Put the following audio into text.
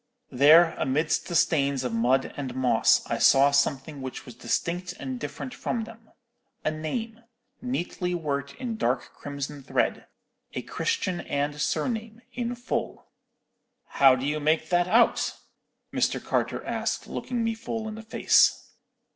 "There, amidst the stains of mud and moss, I saw something which was distinct and different from them. A name, neatly worked in dark crimson thread—a Christian and surname, in full. "'How do you make that out?' Mr. Carter asked, looking me full in the face.